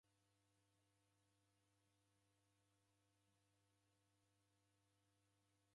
Ow'angwa kwa icheniyo ofisi indo jimu sena.